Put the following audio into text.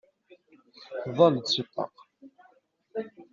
Tḍall-d seg ṭṭaq.